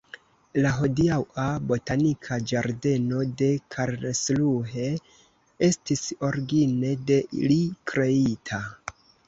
La hodiaŭa botanika ĝardeno de Karlsruhe estis origine de li kreita.